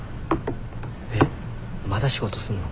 えっまだ仕事すんの？